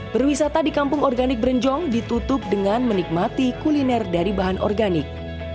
berwisata di kampung organik berenjong ditutup dengan menikmati kuliner dari bahan organik